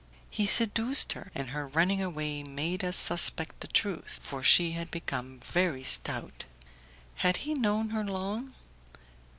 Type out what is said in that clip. "He seduced her, and her running away made us suspect the truth, for she had become very stout." "Had he known her long?"